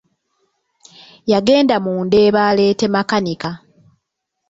Yagenda mu Ndeeba aleete makanika.